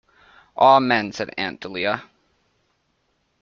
"Amen," said Aunt Dahlia.